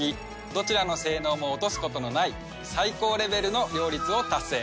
どちらの性能も落とすことのない最高レベルの両立を達成。